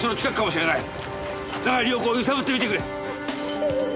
永井涼子を揺さぶってみてくれ。